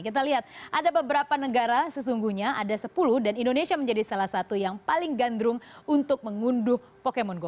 kita lihat ada beberapa negara sesungguhnya ada sepuluh dan indonesia menjadi salah satu yang paling gandrung untuk mengunduh pokemon go